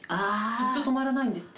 ずっと止まらないんですって。